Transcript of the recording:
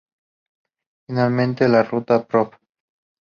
Finalmente, la Ruta Prov.